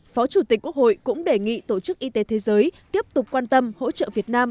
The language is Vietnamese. phó chủ tịch quốc hội cũng đề nghị tổ chức y tế thế giới tiếp tục quan tâm hỗ trợ việt nam